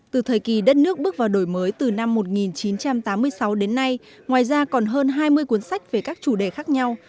từ thời kỳ đất nước bước vào đổi mới từ năm một nghìn chín trăm tám mươi sáu đến nay ngoài ra còn hơn hai mươi cuốn sách về các chủ đề khác nhau